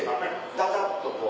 ダダっとこう。